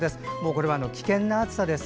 これは危険な暑さです。